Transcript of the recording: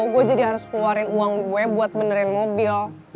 gue jadi harus keluarin uang gue buat benerin mobil